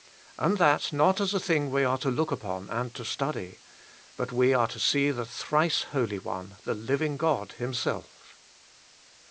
And that not as a thing we are to look upon and to study. But we are to see the Thrice Holy One, the Living God Himself.